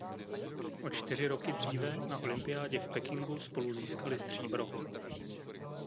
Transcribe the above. O čtyři roky dříve na olympiádě v Pekingu spolu získali stříbro.